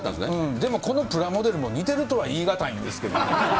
でもこのプラモデルも似てるとは言い難いんですけれども。